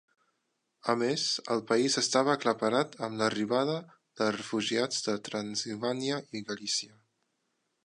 A més, els país estava aclaparat amb l'arribada de refugiats de Transilvània i Galícia.